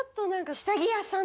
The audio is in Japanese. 下着屋さん。